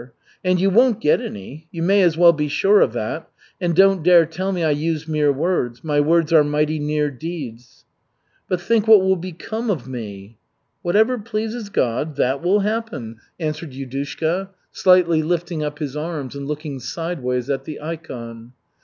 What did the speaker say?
And you won't get any you may as well be sure of it. And don't dare tell me I use mere words. My words are mighty near deeds." "But think what will become of me." "Whatever pleases God, that will happen," answered Yudushka, slightly lifting up his arms and looking sideways at the ikon.